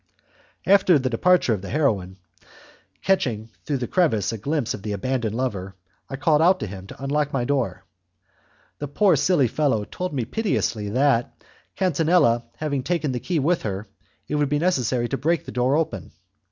After the departure of the heroine, catching through the crevice a glimpse of the abandoned lover, I called out to him to unlock my door. The poor silly fellow told me piteously that, Catinella having taken the key with her, it would be necessary to break the door open.